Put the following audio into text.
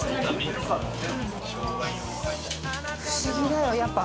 不思議だよやっぱり。